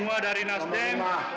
ini dari nasdem semua